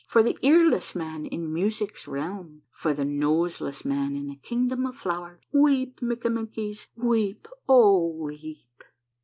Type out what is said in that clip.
For the earless man in Music's realm. For the noseless man in the Kingdom of flowers, Weep, Mikkamenkies, weep, O weep